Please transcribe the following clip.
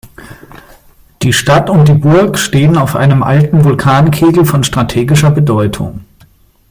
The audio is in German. Die Stadt und die Burg stehen auf einem alten Vulkankegel von strategischer Bedeutung.